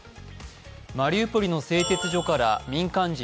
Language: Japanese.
マリウポリの製鉄所から民間人